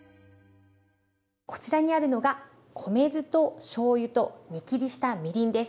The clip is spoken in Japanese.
こちらにあるのが米酢としょうゆと煮きりしたみりんです。